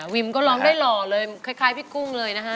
วิมก็ร้องได้หล่อเลยคล้ายพี่กุ้งเลยนะฮะ